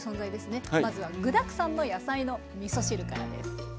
まずは具だくさんの野菜のみそ汁からです。